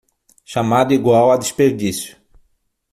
Chamado igual a desperdício